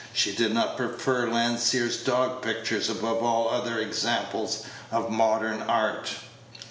She did not prefer Landseer's dog pictures above all other examples of modern art.